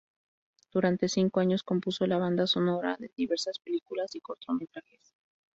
Durante cinco años compuso la banda sonora de diversas películas y cortometrajes.